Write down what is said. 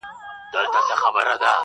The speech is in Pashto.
لوڅ بدن ته خړي سترگي يې نيولي.!